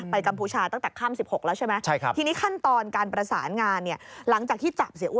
ไปกัมพูชาตั้งแต่ข้าม๑๖แล้วใช่ไหม